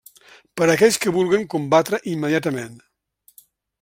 Per a aquells que vulguen combatre immediatament.